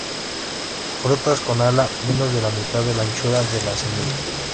Frutas con ala menos de la mitad de la anchura de la semilla.